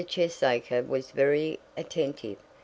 Cheesacre was very attentive.